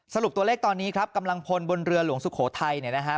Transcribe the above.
สรุปตัวเลขตอนนี้ครับกำลังพลบนเรือหลวงสุโขทัยเนี่ยนะฮะ